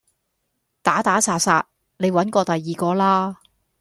打打殺殺你搵過第二個啦